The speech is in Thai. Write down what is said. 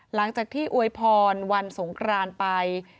หลังจากที่อวยพรวันสงครานไป